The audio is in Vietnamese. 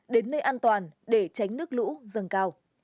đến nơi an toàn để tránh nước lũ dâng cao